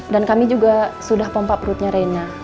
dan kami juga sudah pompa perutnya reina